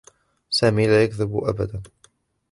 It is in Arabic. سامي لا يكذب أبدا.